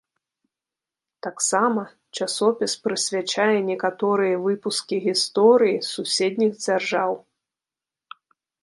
Таксама часопіс прысвячае некаторыя выпускі гісторыі суседніх дзяржаў.